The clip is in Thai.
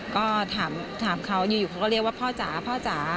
ก็ถามเขาอยู่เขาก็เรียกว่าพ่อจ๋าพ่อจ๋า